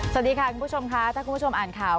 สวัสดีค่ะคุณผู้ชมค่ะถ้าคุณผู้ชมอ่านข่าว